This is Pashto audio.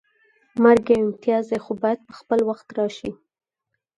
مرګ یو امتیاز دی خو باید په خپل وخت راشي